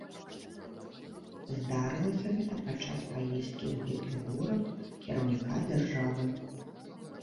Здарылася гэта падчас паездкі ў гэты горад кіраўніка дзяржавы.